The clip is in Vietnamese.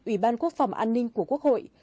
ủy ban quốc phòng an ninh của quốc hội